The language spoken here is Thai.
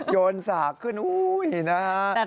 โยนสากขึ้นโอ้ไง